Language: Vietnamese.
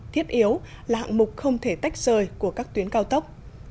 thiết yếu là hạng mục không thể tách rời của các tuyến cao tốc